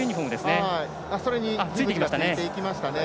それについていきました。